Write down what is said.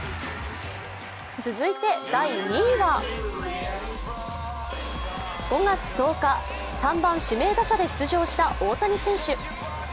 続いて第２位は５月１０日、３番・指名打者で出場した大谷選手。